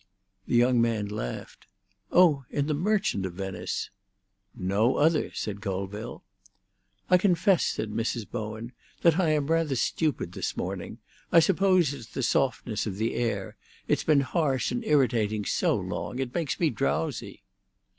The young man laughed. "Oh, in the Merchant of Venice!" "No other," said Colville. "I confess," said Mrs. Bowen, "that I am rather stupid this morning. I suppose it's the softness of the air; it's been harsh and irritating so long. It makes me drowsy."